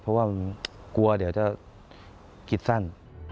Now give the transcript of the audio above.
เพราะว่ากลัวเดี๋ยวจะคิดสั้น